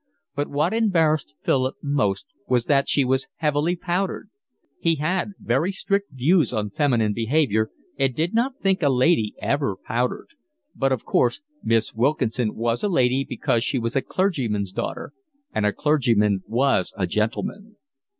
But what embarrassed Philip most was that she was heavily powdered: he had very strict views on feminine behaviour and did not think a lady ever powdered; but of course Miss Wilkinson was a lady because she was a clergyman's daughter, and a clergyman was a gentleman.